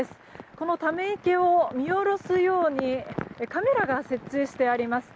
このため池を見下ろすようにカメラが設置してあります。